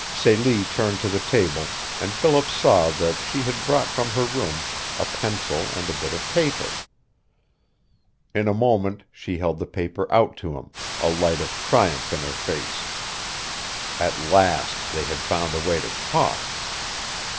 Celie turned to the table and Philip saw that she had brought from her room a pencil and a bit of paper. In a moment she held the paper out to him, a light of triumph in her face. At last they had found a way to talk.